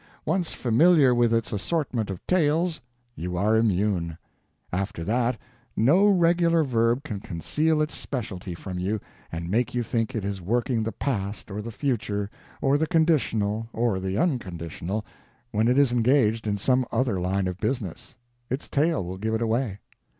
Once familiar with its assortment of tails, you are immune; after that, no regular verb can conceal its specialty from you and make you think it is working the past or the future or the conditional or the unconditional when it is engaged in some other line of business its tail will give it away.